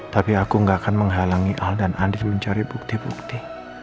tapi aku gak akan menghalangi al dan andi mencari bukti bukti